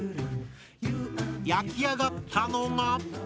焼き上がったのが！